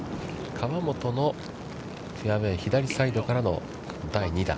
河本のフェアウェイ、左サイドからの第２打。